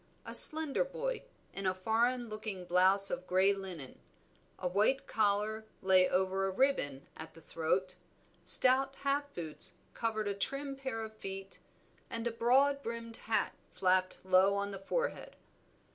A slender boy, in a foreign looking blouse of grey linen; a white collar lay over a ribbon at the throat, stout half boots covered a trim pair of feet, and a broad brimmed hat flapped low on the forehead.